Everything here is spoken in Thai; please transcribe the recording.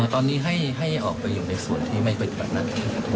ตอนนี้ให้ออกไปอยู่ในส่วนที่ไม่เป็นแบบนั้น